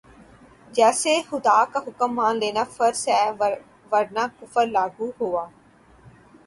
جیسے خدا کا حکم مان لینا فرض ہے ورنہ کفر لاگو ہوا